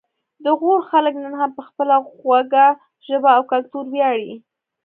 د غور خلک نن هم په خپله خوږه ژبه او کلتور ویاړي